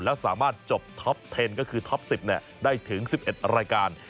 และสามารถจบฐอปเทนหรือฐอปสิบได้ถึง๑๑รายการ